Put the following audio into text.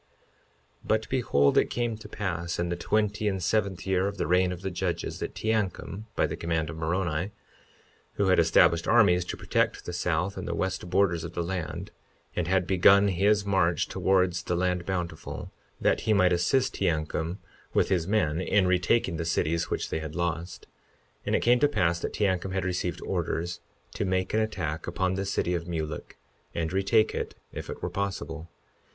52:15 But behold, it came to pass in the twenty and seventh year of the reign of the judges, that Teancum, by the command of Moroni—who had established armies to protect the south and the west borders of the land, and had begun his march towards the land Bountiful, that he might assist Teancum with his men in retaking the cities which they had lost— 52:16 And it came to pass that Teancum had received orders to make an attack upon the city of Mulek, and retake it if it were possible.